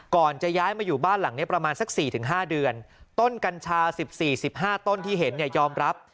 ก่อนจะย้ายมาอยู่บ้านหลังนี้ประมาณสัก๔๕เดือนต้นกัญชา๑๔๑๕ต้นที่เห็นเนี่ยยอมรับ